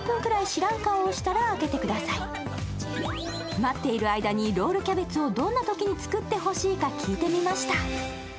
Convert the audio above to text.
待っている間にロールキャベツをどんなときに作ってほしいか聞いてみました。